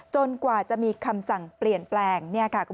กว่าจะมีคำสั่งเปลี่ยนแปลง